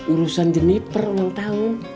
urusan jeniper mau tahu